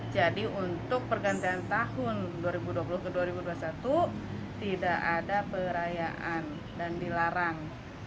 jadi untuk pergantian tahun dua ribu dua puluh ke dua ribu dua puluh satu tidak ada perayaan dan dilarang